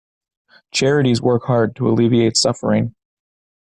Charities work hard to alleviate suffering.